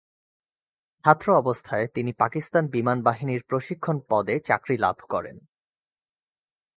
ছাত্র অবস্থায় তিনি পাকিস্তান বিমান বাহিনীর প্রশিক্ষণ পদে চাকরি লাভ করেন।